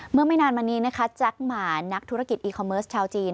เมื่อไม่นานมานี้แจ๊กหมานักธุรกิจอีคอมเมิสชาวจีน